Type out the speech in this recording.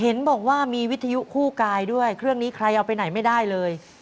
เห็นบอกว่ามีวิทยุคู่กายด้วยเครื่องนี้ใครเอาไปไหนไม่ได้เลย